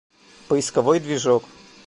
Поисковой движок